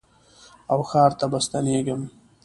او ښار ته به ستنېږم